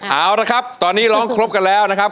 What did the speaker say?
เอาละครับตอนนี้ร้องครบกันแล้วนะครับ